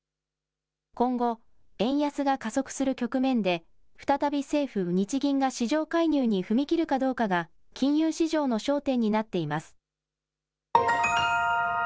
今後、円安が加速する局面で、再び政府・日銀が市場介入に踏み切るかどうかが、金融市場の焦点になっています。